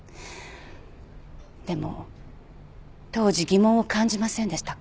でも当時疑問を感じませんでしたか？